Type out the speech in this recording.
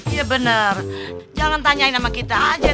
ya bener jangan tanyain sama kita aja